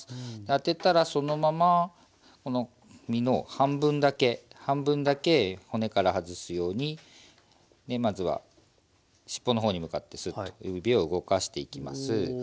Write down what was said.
当てたらそのままこの身の半分だけ半分だけ骨から外すようにまずは尻尾の方に向かってすっと指を動かしていきます。